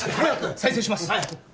再生します